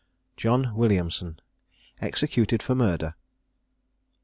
JOHN WILLIAMSON. EXECUTED FOR MURDER.